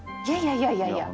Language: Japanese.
いやいやいやいや。